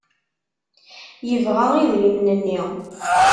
Yebɣa idrimen-nni.